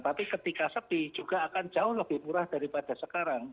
tapi ketika sepi juga akan jauh lebih murah daripada sekarang